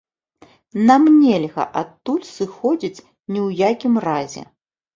Нам нельга адтуль сыходзіць ні ў якім разе.